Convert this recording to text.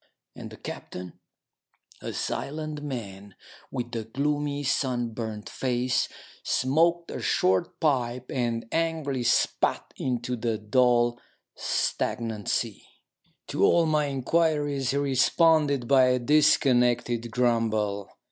And the captain, a silent man with a gloomy, sunburnt face, smoked a short pipe and angrily spat into the dull, stagnant sea. To all my inquiries he responded by a dis connected grumble.